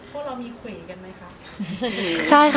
พวกเรามีเขวร์กันไหมคะ